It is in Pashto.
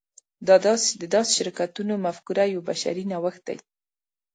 د داسې شرکتونو مفکوره یو بشري نوښت دی.